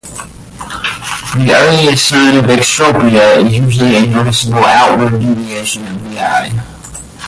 The earliest sign of exotropia is usually a noticeable outward deviation of the eye.